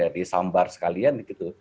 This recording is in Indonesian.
di sambar sekalian